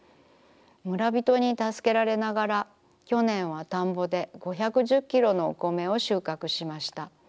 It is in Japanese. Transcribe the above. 村びとに助けられながら去年は田んぼで５１０キロのお米を収穫しました。